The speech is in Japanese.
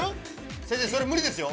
◆先生、それ無理ですよ。